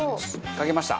かけました？